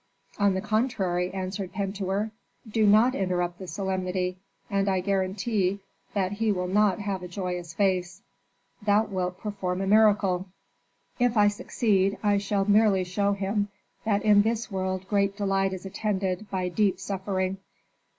"On the contrary," answered Pentuer, "do not interrupt the solemnity, and I guarantee that he will not have a joyous face." "Thou wilt perform a miracle." "If I succeed I shall merely show him that in this world great delight is attended by deep suffering."